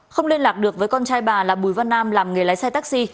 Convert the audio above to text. không liên lạc được với con trai bà là bùi văn nam làm nghề lái xe taxi